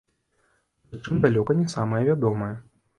Прычым далёка не самыя вядомыя.